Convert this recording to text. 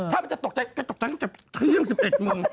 ถ้ามันจะตกใจก็ตกใจจับเครื่อง๑๑มึง